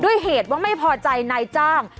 ด้วยเหตุว่าไม่พอใจหน้าจ้าง